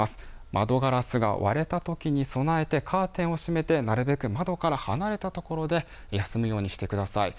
窓ガラスが割れたときに備えてカーテンを閉めてなるべく窓から離れた所で休むようにしてください。